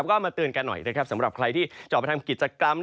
ก็มาเตือนกันหน่อยนะครับสำหรับใครที่จะออกไปทำกิจกรรม